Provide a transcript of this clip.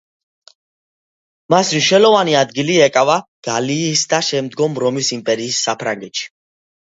მას მნიშვნელოვანი ადგილი ეკავა გალიის და შემდგომ რომის იმპერიის საფრანგეთში.